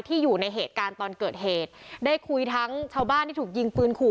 อยู่ในเหตุการณ์ตอนเกิดเหตุได้คุยทั้งชาวบ้านที่ถูกยิงปืนขู่